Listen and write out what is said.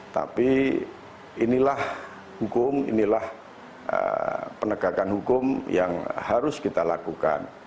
tapi inilah hukum inilah penegakan hukum yang harus kita lakukan